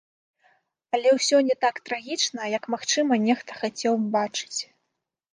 Але ўсё не так трагічна, як, магчыма, нехта хацеў бачыць.